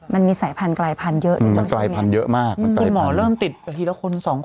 มันมีสายพันธุ์ใกล้พันธุ์เยอะเลย